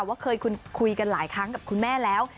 ว่าเคยคุยกันหลายครั้งกับคุณแม่แล้ว